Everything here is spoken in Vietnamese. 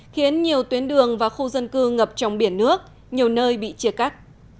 khiến nhiều tuyến đường và khu dân cư ngập trong biển nước nhiều nơi bị chia cắt